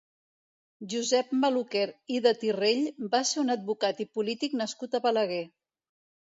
Josep Maluquer i de Tirrell va ser un advocat i polític nascut a Balaguer.